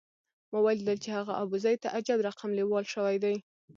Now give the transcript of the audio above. ما ولیدل چې هغه ابوزید ته عجب رقم لېوال شوی دی.